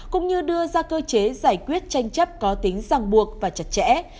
cũng như đưa ra cơ chế giải quyết tranh chấp có tính giảng buộc và chặt chẽ